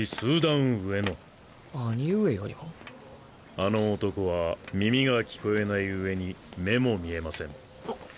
あの男は耳が聞こえない上に目も見えません。